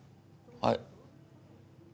はい。